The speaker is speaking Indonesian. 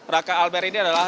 raka almer ini adalah